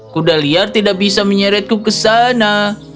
kuda liar tidak bisa menyeretku ke sana